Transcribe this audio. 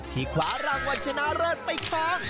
ที่คว้ารางวัลชนะเลิศไปคล้อง